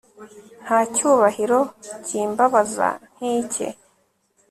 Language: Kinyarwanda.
nta cyubahiro kimbabaza nkicye